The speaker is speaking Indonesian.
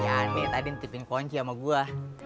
ya aneh tadi ngetipin ponci sama gua